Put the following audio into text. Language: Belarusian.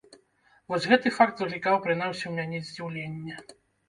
Вось гэты факт выклікаў прынамсі ў мяне здзіўленне.